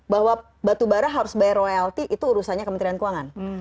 bahwa batubara harus bayar royalti itu urusannya kementerian keuangan